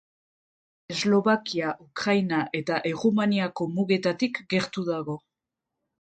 Eslovakia, Ukraina eta Errumaniako mugetatik gertu dago.